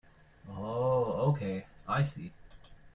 Oh okay, I see.